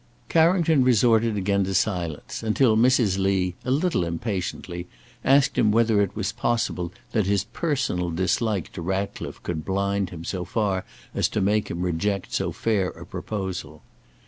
Carrington resorted again to silence, until Mrs. Lee, a little impatiently, asked whether it was possible that his personal dislike to Racliffe could blind him so far as to make him reject so fair a proposal.